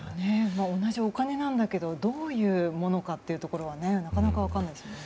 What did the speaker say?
同じお金なんだけどどういうものかというのはなかなか分からないですよね。